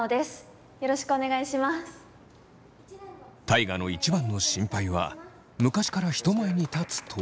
大我の一番の心配は昔から人前に立つと。